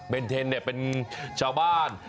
เบนเทนเนี่ยเป็นชาวบ้าน